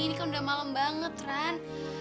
ini kan udah malem banget ren